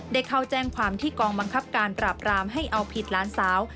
ได้เข้าแจ้งความที่กองบังคับการปราบรามให้เอาผิดหลานสาว